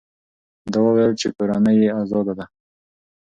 ده وویل چې کورنۍ یې ازاده ده.